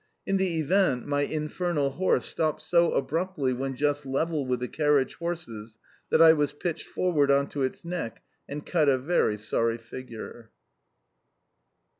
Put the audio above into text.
In the event, my infernal horse stopped so abruptly when just level with the carriage horses that I was pitched forward on to its neck and cut a very sorry figure!